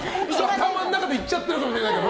頭の中で行っちゃってるかもしれないけど。